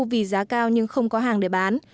vì giá cao nhưng không có hàng để bán